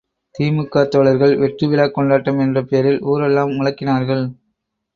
தி.மு.க தோழர்கள் வெற்றி விழாக் கொண்டாட்டம் என்ற பேரில் ஊரெல்லாம் முழக்கினார்கள்.